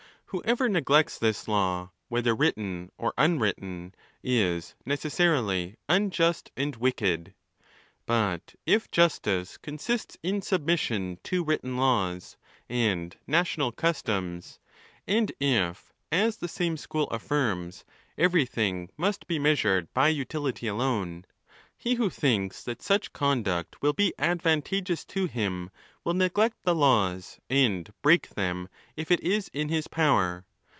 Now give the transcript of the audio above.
Whoever neglects this law, whether written or unwritten, is necessarily unjust and wicked. But if justice consists in submission to written laws and national customs, and if, as the same school affirms, every thing must be measured by utility alone, he who thinks that such conduct will be advantageous to him will neglect the laws, and break them if it is in his power.